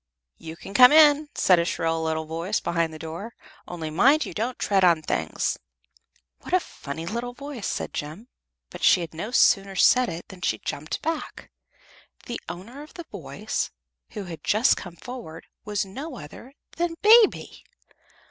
"You can come in," said a shrill little voice behind the door, "only mind you don't tread on things." "What a funny little voice!" said Jem, but she had no sooner said it than she jumped back. The owner of the voice, who had just come forward, was no other than Baby.